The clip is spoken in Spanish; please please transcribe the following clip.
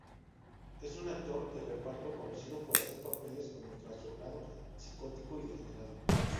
Es un actor de reparto conocido por hacer papeles como trastornado, psicótico y degenerado.